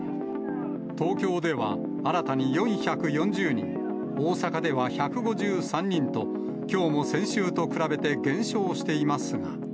東京では新たに４４０人、大阪では１５３人と、きょうも先週と比べて減少していますが。